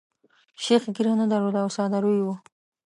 شیخ ږیره نه درلوده او ساده روی وو.